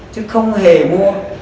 chứ không hề mua